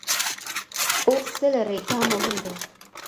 اوس څه لرئ دا مهم دي.